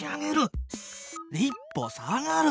一歩下がる！